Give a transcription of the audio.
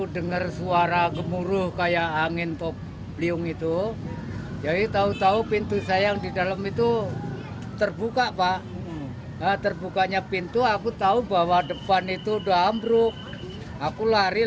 di warung habis total pak